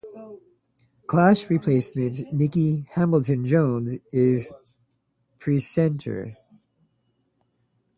Klass replaced Nicky Hambleton-Jones as presenter.